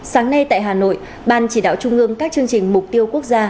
sáng nay tại hà nội ban chỉ đạo trung ương các chương trình mục tiêu quốc gia